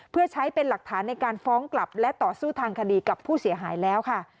เพื่อใช้เป็นหลักฐานในการฟ้องกลับและต่อสู้ทางคดีกับผู้เสียหายแล้วค่ะ